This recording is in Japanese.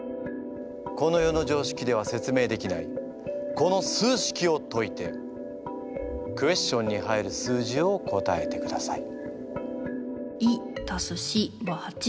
この世のじょうしきでは説明できないこの数式を解いてクエスチョンに入る数字を答えてください。